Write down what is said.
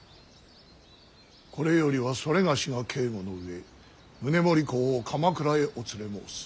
これよりは某が警固の上宗盛公を鎌倉へお連れ申す。